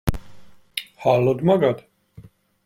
Hallod magad?